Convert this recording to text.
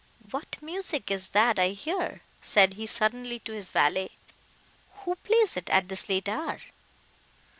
"What music is that I hear?" said he suddenly to his valet, "Who plays at this late hour?"